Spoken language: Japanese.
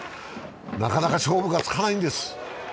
なかなか勝負がつかないんです。